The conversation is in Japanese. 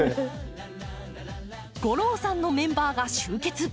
吾郎さんのメンバーが集結。